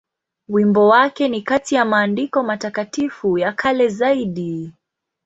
Wimbo wake ni kati ya maandiko matakatifu ya kale zaidi.